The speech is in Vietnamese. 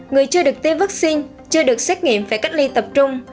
người chưa được tiêm vaccine chưa được xét nghiệm phải cách ly tập trung